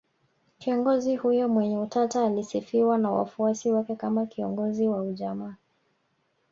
Kiongozi huyo mwenye utata alisifiwa na wafuasi wake kama kiongozi wa ujamaa